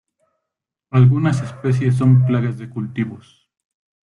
Algunas especies son plagas de cultivos.